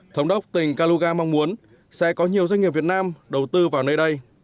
thống đốc tỉnh kaluga mong muốn sẽ có nhiều doanh nghiệp việt nam đầu tư vào nơi đây